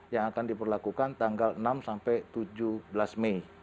yang akan diperlakukan tanggal enam sampai tujuh belas mei